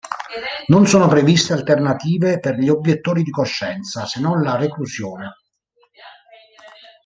Non sono previste alternative per gli obiettori di coscienza, se non la reclusione.